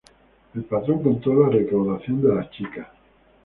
El patrón contó la recaudación de las chicas.